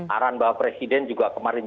arahannya bahwa presiden juga kemarin